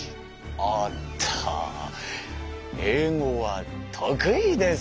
おっと英語は得意です。